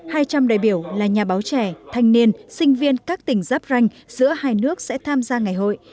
hai trăm linh đại biểu là nhà báo trẻ thanh niên sinh viên các tỉnh giáp ranh giữa hai nước sẽ tham gia ngày hội